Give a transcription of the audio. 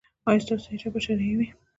ایا ستاسو حجاب به شرعي وي؟